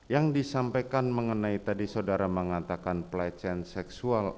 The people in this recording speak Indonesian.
yang disampaikan mengenai tadi saudara mengatakan pelecehan seksual